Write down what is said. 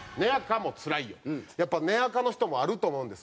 やっぱ根明の人もあると思うんです。